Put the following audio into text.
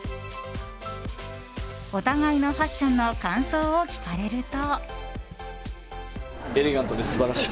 お互いのファッションの感想を聞かれると。